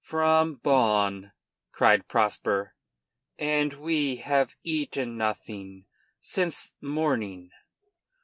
"From Bonn," cried Prosper, "and we have eaten nothing since morning."